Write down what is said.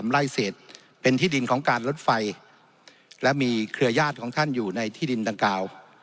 ไล่เศษเป็นที่ดินของการลดไฟและมีเครือญาติของท่านอยู่ในที่ดินดังกล่าว